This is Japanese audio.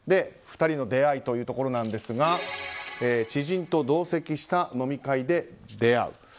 ２人の出会いというところですが知人と同席した飲み会で出会う。